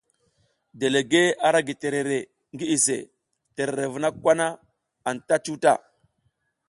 Delegue ara gi terere ngi iʼse, terere vuna kwa na anta cuta.